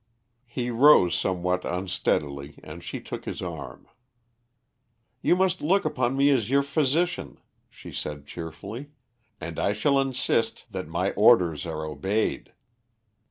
He rose somewhat unsteadily, and she took his arm. "You must look upon me as your physician," she said cheerfully, "and I shall insist that my orders are obeyed."